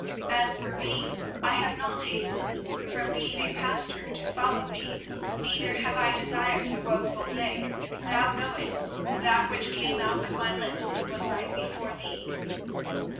24:017:016 As for me, I have not hastened from being a pastor to follow thee: neither have I desired the woeful day; thou knowest: that which came out of my lips was right before thee.